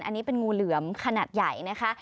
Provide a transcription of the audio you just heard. อันนี้เป็นงูเหลือมขนาดใหญ่นะคะ